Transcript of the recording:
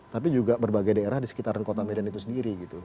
tapi juga berbagai daerah di sekitaran kota medan itu sendiri gitu